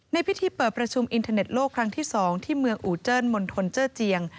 ในพิธีเปิดประชุมอินเทอร์เน็ตโลกครั้งที่๒ที่เมืองอูเจิ้นมณฑลเจอร์เจียง